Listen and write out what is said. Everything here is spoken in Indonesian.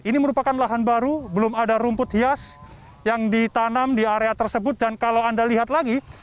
ini merupakan lahan baru belum ada rumput hias yang ditanam di area tersebut dan kalau anda lihat lagi